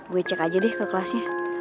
gue cek aja deh ke kelasnya